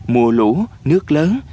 mùa lũ nước lớn